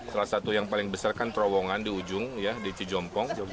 salah satu yang paling besar kan terowongan di ujung ya di cijompong